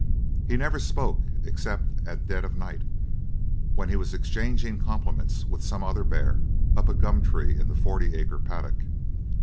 He never spoke except at dead of night, when he was exchanging compliments with some other bear up a gum tree in the forty acre paddock.